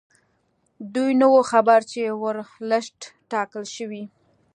دوی نه وو خبر چې ورلسټ ټاکل شوی.